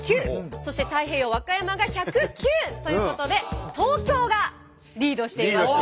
そして太平洋和歌山が１０９ということで東京がリードしていますね。